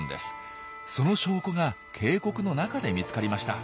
その証拠が渓谷の中で見つかりました。